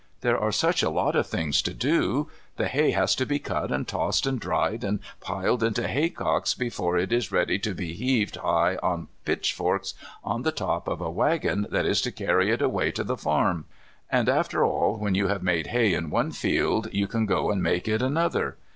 There are such a lot of things to do. The hay has to be cut and tossed and dried and piled into haycocks before it is ready to be heaved high on pitchforks on the top of a waggon that is to carry it away to the farm. And after all when you have made hay in one field you can go and make it another.